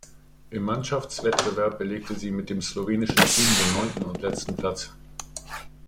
Im Mannschaftswettbewerb belegte sie mit dem slowenischen Team den neunten und letzten Platz.